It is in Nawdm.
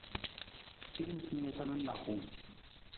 Hin noosanoosa na nijakung.